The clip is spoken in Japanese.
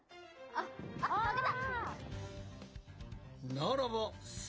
ならばす